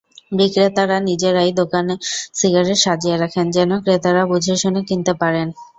বিক্রেতারা নিজেরাই দোকানে সিগারেট সাজিয়ে রাখেন, যেন ক্রেতারা বুঝে-শুনে কিনতে পারেন।